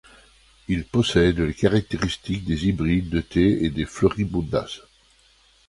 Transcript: Ils possèdent les caractéristiques des hybrides de thé et des floribundas.